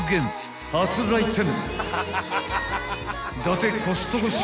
［初来店］